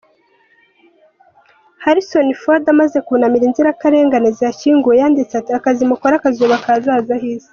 Harrison Ford amaze kunamira inzirakarengane zihashyinguweyanditse ati "Akazi mukora kazubaka ahazaza h’Isi.